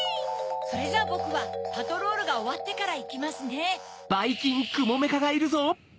それじゃボクはパトロールがおわってからいきますね。